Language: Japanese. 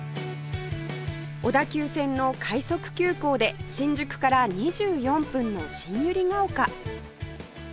小田急線の快速急行で新宿から２４分の新百合ヶ丘